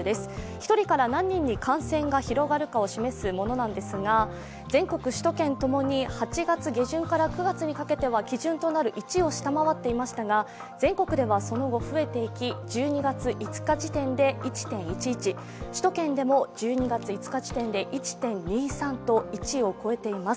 １人から何人に感染が広がるかを示すものですが８月下旬から９月にかけては基準となる１を下回っていましたが、全国ではその後、増えていき１２月５日時点で１．１１、首都圏でも１２月５日時点で１．２３と１を超えています。